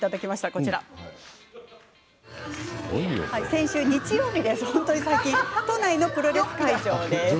先週、日曜日都内のプロレス会場です。